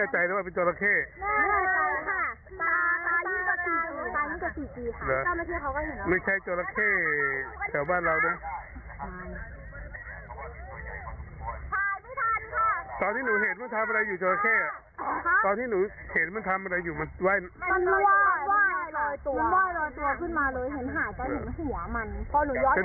ใช่อยู่ถ่ายรูปแล้วไม่ได้ถ่ายเลย